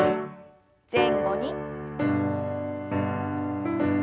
前後に。